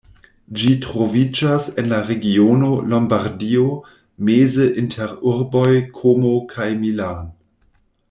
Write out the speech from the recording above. Ĝi troviĝas en la regiono Lombardio, meze inter urboj Komo kaj Milan.